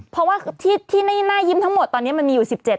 เพราะว่าที่ที่น่ายิ้มทั้งหมดตอนเนี้ยมันมีอยู่สิบเจ็ด